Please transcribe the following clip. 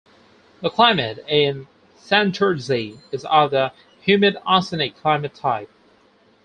The climate in Santurtzi is of the humid oceanic climate type.